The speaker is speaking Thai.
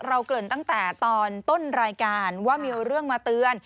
เกริ่นตั้งแต่ตอนต้นรายการว่ามีเรื่องมาเตือน